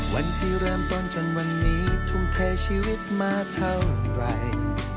วันที่เริ่มต้นจนวันนี้ทุ่มเทชีวิตมาเท่าไหร่